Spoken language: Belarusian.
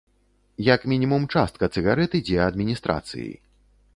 Як мінімум частка цыгарэт ідзе адміністрацыі.